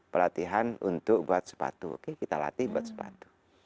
pelatihan untuk buat sepatu oke kita latih buat sepatu